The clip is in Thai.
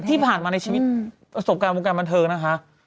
ที่ผ่านมาในชีวิตประสบการณ์วงการบันเทิงนะคะ